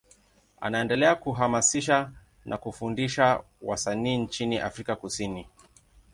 Anaendelea kuhamasisha na kufundisha wasanii nchini Afrika Kusini.